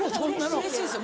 うれしいんですよ